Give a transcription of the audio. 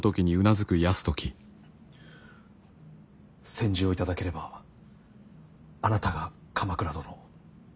「宣旨を頂ければあなたが鎌倉殿。